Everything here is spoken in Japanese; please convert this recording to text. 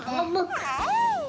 はい。